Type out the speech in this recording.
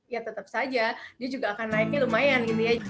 ya tetap saja dia juga akan naiknya lumayan